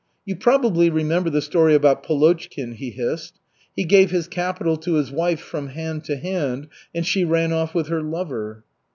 "You probably remember the story about Polochkin," he hissed. "He gave his capital to his wife 'from hand to hand' and she ran off with her lover."